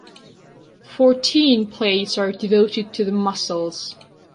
Fourteen plates are devoted to the muscles.